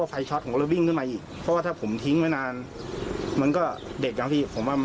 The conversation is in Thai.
อายุ๓ปี